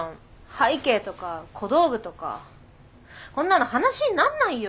背景とか小道具とかこんなの話になんないよ。